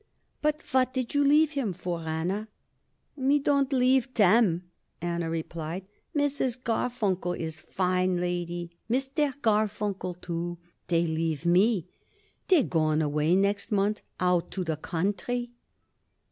"And what did you leave him for, Anna?" "Me don't leave them," Anna replied. "Mrs. Garfunkel is fine lady. Mister Garfunkel, too. They leave me. They goin' away next month, out to the country."